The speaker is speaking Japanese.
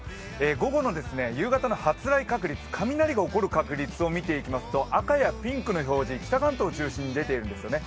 午後の夕方の発雷確率、雷が起こる確率を見ていきますと赤やピンクの表示が北関東中心に出ているんですよね。